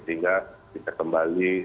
sehingga bisa kembali